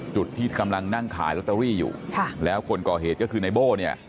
จุดที่กำลังนั่งขายลอตเตอรี่อยู่แล้วคนก่อเหตุก็คือในโบ้เนี่ย